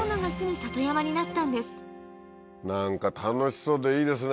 何か楽しそうでいいですね